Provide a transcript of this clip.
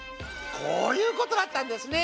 こういうことだったんですね。